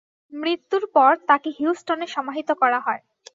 মৃত্যুর পর তাঁকে হিউস্টনে সমাহিত করা হয়।